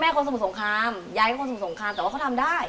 คนสมุทรสงครามย้ายคนสมุทรสงครามแต่ว่าเขาทำได้